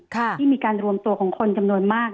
ที่มีการรวมตัวของคนจำนวนมาก